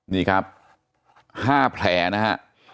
นี่ครับ๕แผลนะฮะ